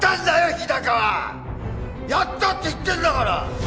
日高はやったって言ってんだから！